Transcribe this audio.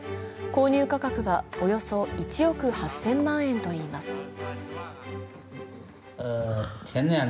購入価格はおよそ１億８０００万円といいます。